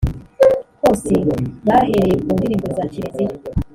hose bahereye ku ndirimbo za kiliziya